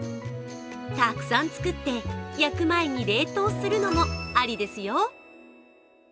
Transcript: たくさん作って、焼く前に冷凍するのもありですよ。